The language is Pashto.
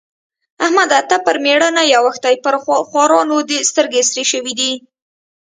احمده! ته پر مېړه نه يې اوښتی؛ پر خوارانو دې سترګې سرې شوې دي.